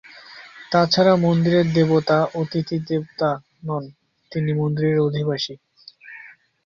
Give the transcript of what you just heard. তাছাড়া, মন্দিরের দেবতা "অতিথি দেবতা" নন, তিনি মন্দিরের অধিবাসী।